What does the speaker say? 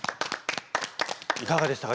いかがでしたか？